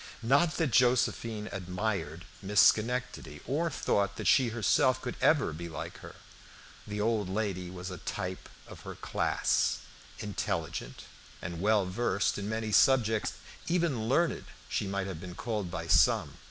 Not that Josephine admired Miss Schenectady, or thought that she herself could ever be like her. The old lady was a type of her class; intelligent and well versed in many subjects even learned she might have been called by some.